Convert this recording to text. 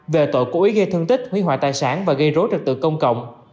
về tội cố ý gây thương tích hủy hoại tài sản và gây rối trật tự công cộng